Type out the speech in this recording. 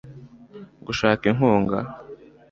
gushaka inkunga